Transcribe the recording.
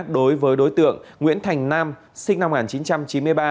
đối với đối tượng nguyễn thành nam sinh năm một nghìn chín trăm chín mươi ba